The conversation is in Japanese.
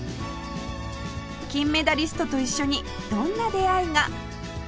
金メダリストと一緒にどんな出会いが？